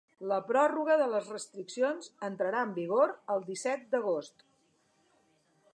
La pròrroga de les restriccions entrarà en vigor el disset d’agost.